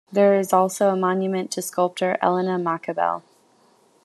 There is also a monument to sculptor Elena Machabell.